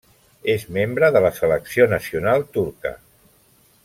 És membre de la selecció nacional turca.